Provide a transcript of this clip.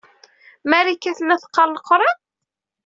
Marika tella teqqar Leqran?